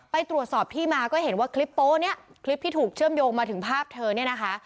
ไปตรวจสอบที่มาก็เห็นว่าคลิปโป๊ะเนี่ยคลิปที่ถูกเชื่อมโยงมาถึงภาพเธอเนี่ยนะคะ